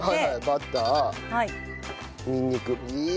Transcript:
バターにんにく。